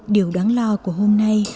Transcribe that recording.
điều đáng lo của hôm nay